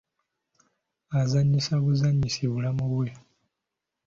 Azannyisa buzannyisa bulamu bwe.